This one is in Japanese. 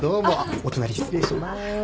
お隣失礼しまーす。